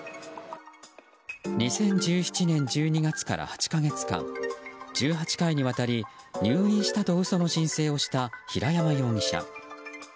２０１７年１２月から８か月間１８回にわたり入院したと嘘の申請をした平山容疑者。